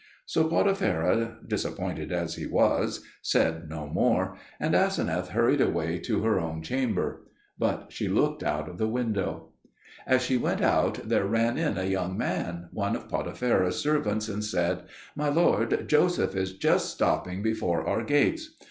So Potipherah, disappointed as he was, said no more; and Aseneth hurried away to her own chamber. But she looked out of the window. As she went out, there ran in a young man, one of Potipherah's servants, and said, "My lord, Joseph is just stopping before our gates."